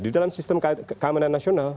di dalam sistem keamanan nasional